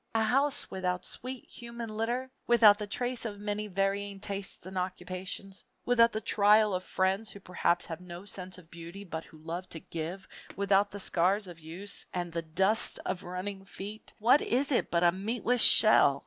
A house without sweet human litter, without the trace of many varying tastes and occupations, without the trail of friends who perhaps have no sense of beauty but who love to give, without the scars of use, and the dust of running feet what is it but a meatless shell!